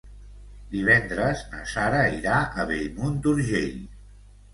Divendres na Sara irà a Bellmunt d'Urgell.